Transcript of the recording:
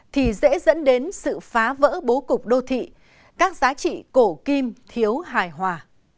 thì dễ dẫn đến sự phá vỡ bố cục đô thị các giá trị cổ kim thiếu hài hòa